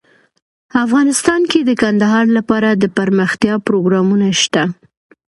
افغانستان کې د کندهار لپاره دپرمختیا پروګرامونه شته.